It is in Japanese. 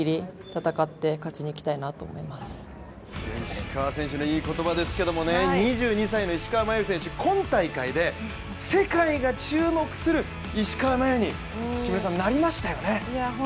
石川選手のいい言葉ですけれども、２２歳の石川真佑選手、今大会で世界が注目する石川真佑になりましたよね。